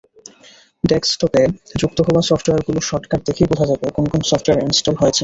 ডেস্কটপে যুক্ত হওয়া সফটওয়্যারগুলোর শর্টকাট দেখেই বোঝা যাবে কোন কোন সফটওয়্যার ইনস্টল হয়েছে।